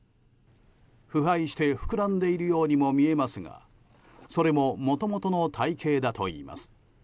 腐敗して膨らんでいるようにも見えますがそれももともとの体形だといいます。